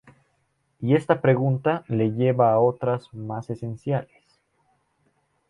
Y esta pregunta le lleva a otras más esenciales...